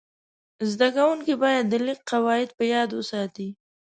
زده کوونکي باید د لیک قواعد په یاد وساتي.